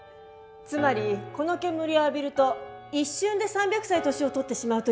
つまりこの煙を浴びると一瞬で３００歳年を取ってしまうという訳です。